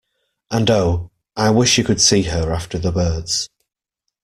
And oh, I wish you could see her after the birds!